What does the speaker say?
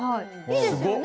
いいですよね？